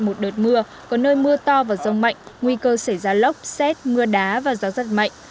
một đợt mưa có nơi mưa to và rông mạnh nguy cơ xảy ra lốc xét mưa đá và gió rất mạnh